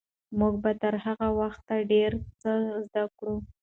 موږ به تر هغه وخته ډېر څه زده کړي وي.